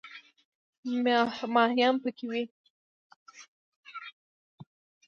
ماهیان پکې وي.